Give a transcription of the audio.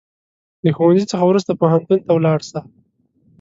د ښوونځي څخه وروسته پوهنتون ته ولاړ سه